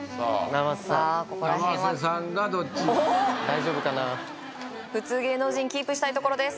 生瀬さんがどっちに普通芸能人キープしたいところです